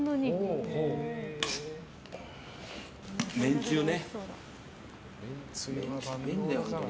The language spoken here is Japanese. めんつゆね。